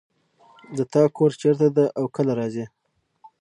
د تا کور چېرته ده او کله راځې